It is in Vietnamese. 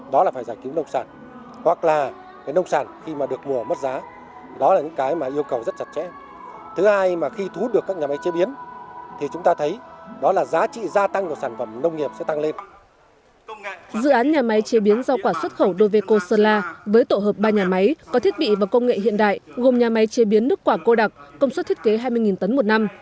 dự án nhà máy chế biến rau quả xuất khẩu doveco sơn la với tổ hợp ba nhà máy có thiết bị và công nghệ hiện đại gồm nhà máy chế biến nước quả cô đặc công suất thiết kế hai mươi tấn một năm